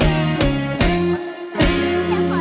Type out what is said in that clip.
เอ้าละ